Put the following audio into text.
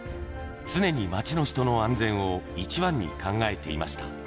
常に町の人の安全を一番に考えていました。